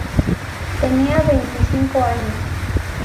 Tenía veinticinco años.